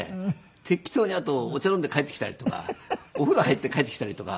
適当にあとお茶飲んで帰ってきたりとかお風呂入って帰ってきたりとか。